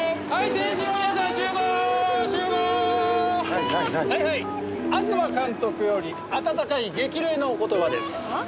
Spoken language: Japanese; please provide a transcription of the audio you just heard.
はいはい東監督より温かい激励のお言葉です。はあ？